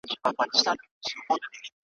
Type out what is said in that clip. زه د هري نغمې شرنګ یم زه د هري شپې سهار یم `